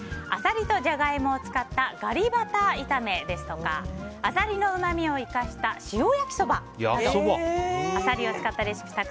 アサリとジャガイモを使ったガリバタ炒めですとかアサリのうまみを生かした塩焼きそばなどアサリを使ったレシピ